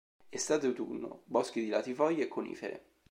Estate-autunno, boschi di latifoglie e conifere.